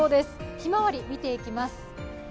ひまわり見ていきます。